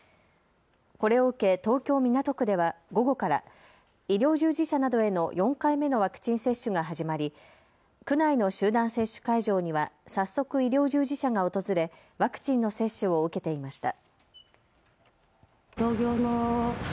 これを受け、東京港区では午後から医療従事者などへの４回目のワクチン接種が始まり区内の集団接種会場には早速、医療従事者が訪れワクチンの接種を受けていました。